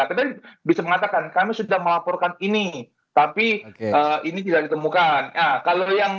tapi bisa mengatakan kami sudah melaporkan ini tapi ini tidak ditemukan